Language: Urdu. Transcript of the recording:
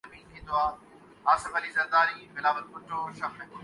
ساتھی کمنٹیٹر کا یہ کہنا تھا